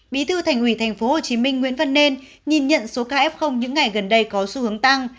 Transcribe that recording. bí thư thành ủy tp hcm nguyễn văn nên nhìn nhận số caf những ngày gần đây có xu hướng tăng